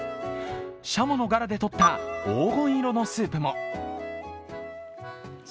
しゃものガラでとった黄金色のスープも。